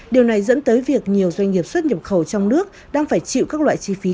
điều này dẫn tới việc nhiều doanh nghiệp xuất nhập khẩu trong nước đang phải chịu các loại chi phí